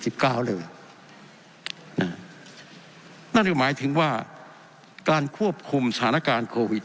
สิบเก้าเลยนะฮะนั่นคือหมายถึงว่าการควบคุมสถานการณ์โควิด